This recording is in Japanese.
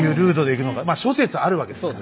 まあ諸説あるわけですから。